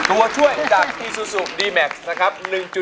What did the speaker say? ตัวช่วยจากอีซูซูดีแม็กซ์นะครับ